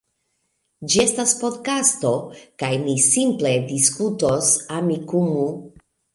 Ĝi estas podkasto kaj ni simple diskutos Amikumu